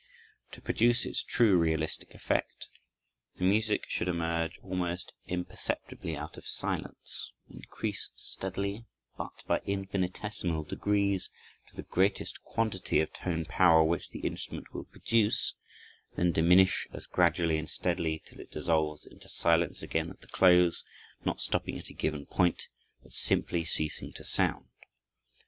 To produce its true realistic effect, the music should emerge almost imperceptibly out of silence, increase steadily, but by infinitesimal degrees, to the greatest quantity of tone power which the instrument will produce; then diminish as gradually and steadily till it dissolves into silence again at the close; not stopping at a given point, but simply ceasing to sound.